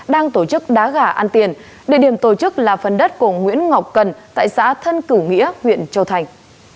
đang tổ chức đá gà ăn tiền địa điểm tổ chức là phần đất của nguyễn ngọc cần tại xã thân cửu nghĩa huyện châu thành